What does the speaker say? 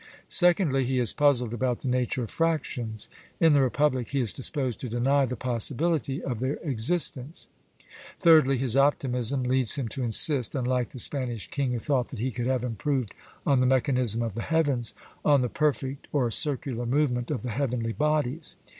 Secondly, he is puzzled about the nature of fractions: in the Republic, he is disposed to deny the possibility of their existence. Thirdly, his optimism leads him to insist (unlike the Spanish king who thought that he could have improved on the mechanism of the heavens) on the perfect or circular movement of the heavenly bodies.